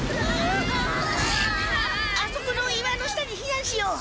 あそこの岩の下にひなんしよう！